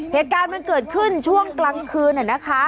เหตุการณ์มันเกิดขึ้นช่วงกลางคืนนะคะ